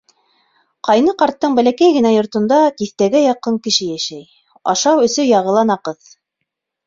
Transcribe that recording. Ҡайны ҡарттың бәләкәй кенә йортонда тиҫтәгә яҡын кеше йәшәй, ашау-эсеү яғы ла наҡыҫ.